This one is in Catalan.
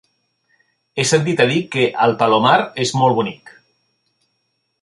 He sentit a dir que el Palomar és molt bonic.